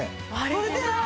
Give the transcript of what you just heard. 割れてない！